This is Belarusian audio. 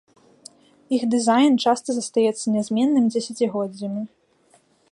Іх дызайн часта застаецца нязменным дзесяцігоддзямі.